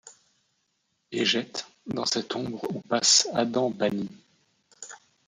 Et jette, dans cette ombre où passe Adam banni